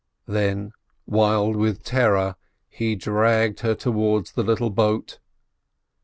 Then, wild with terror, he dragged her towards the little boat.